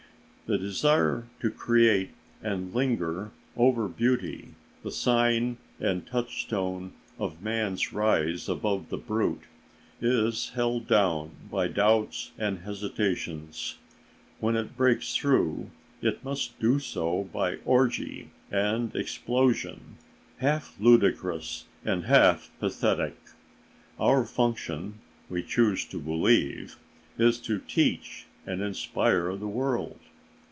The desire to create and linger over beauty, the sign and touchstone of man's rise above the brute, is held down by doubts and hesitations; when it breaks through it must do so by orgy and explosion, half ludicrous and half pathetic. Our function, we choose to believe, is to teach and inspire the world.